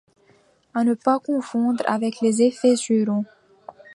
À ne pas confondre avec les effets Surround.